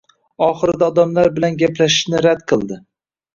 Oxirida odamlar bilan gaplashishni rad qilding.